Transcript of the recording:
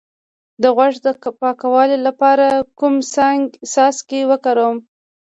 د غوږ د پاکوالي لپاره کوم څاڅکي وکاروم؟